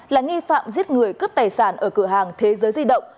là nghi phạm giết người cướp tài sản ở cửa hàng thế giới di động